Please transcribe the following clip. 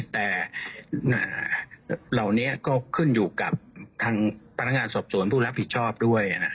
แต่เหล่านี้ก็ขึ้นอยู่กับทางพนักงานสอบสวนผู้รับผิดชอบด้วย